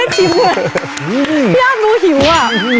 พี่ย่านดูหิวอ่ะ